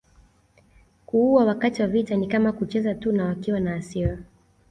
Kuua wakati wa vita ni kama kucheza tu na wakiwa na hasira